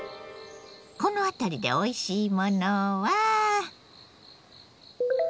この辺りでおいしいものは？